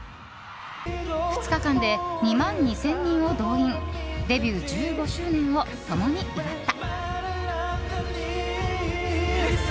２日間で２万２０００人を動員デビュー１５周年を共に祝った。